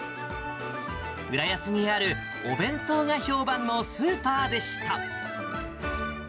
浦安にあるお弁当が評判のスーパーでした。